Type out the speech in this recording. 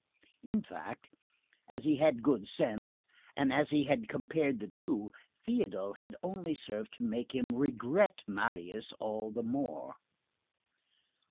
In fact, as he had good sense, and as he had compared the two, Théodule had only served to make him regret Marius all the more.